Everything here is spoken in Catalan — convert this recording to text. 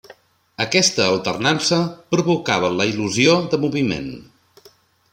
Aquesta alternança provocava la il·lusió de moviment.